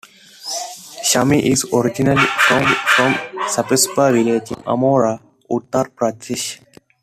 Shami is originally from Sahaspur village in Amroha, Uttar Pradesh.